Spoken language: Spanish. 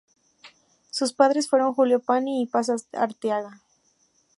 Sus padres fueron Julio Pani y Paz Arteaga.